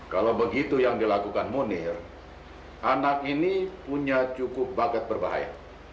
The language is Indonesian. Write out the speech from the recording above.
kalau begitu yang dilakukan munir anak ini punya cukup bakat berbahaya